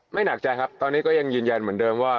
หนักใจครับตอนนี้ก็ยังยืนยันเหมือนเดิมว่า